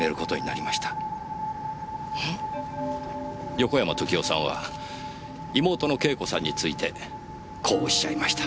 横山時雄さんは妹の慶子さんについてこうおっしゃいました。